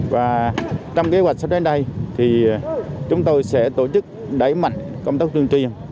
và trong kế hoạch sau đến đây chúng tôi sẽ tổ chức đẩy mạnh công tác tuyên truyền